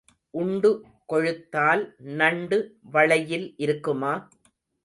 உண்டு கொழுத்தால் நண்டு வளையில் இருக்குமா?